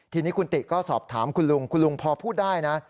ทีนี้คุณติก็สอบถามคุณลุงคุณลุงพอพูดได้นะ